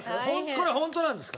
これホントなんですか？